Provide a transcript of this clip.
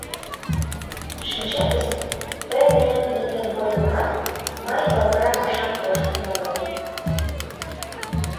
Шинчетыс, тый денет лиймем годымат мый «лавыра» пашаш коштын омыл.